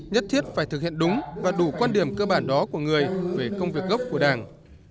nhất thiết phải thực hiện đúng và đủ quan điểm cơ bản đó của người về công việc gốc của đảng